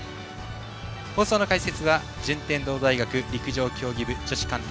放送の解説は順天堂大学陸上競技部女子監督